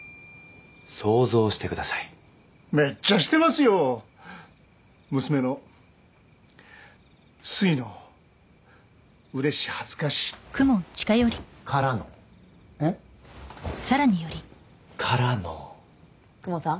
想像してくださいめっちゃしてますよ娘のすいのうれし恥ずかしからのえっ？からの公文さん？